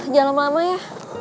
jangan lama lama ya